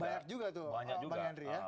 banyak juga tuh pak niyadri ya